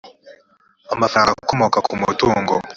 amafaranga akomoka ku mutungo